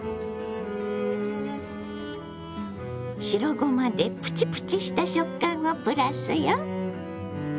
白ごまでプチプチした食感をプラスよ。